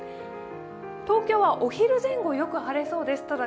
東京はお昼前後、よく晴れそうです